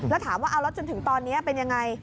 แล้วถามว่าเอาแล้วจนถึงตอนนี้เป็นยังไง